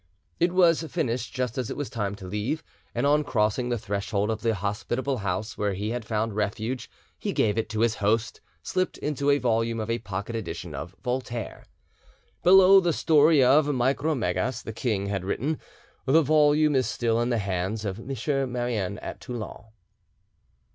It was finished just as it was time to leave, and on crossing the threshold of the hospitable house where he had found refuge he gave it to his host, slipped into a volume of a pocket edition of Voltaire. Below the story of 'Micromegas' the king had written: [The volume is still in the hands of M. Marouin, at Toulon.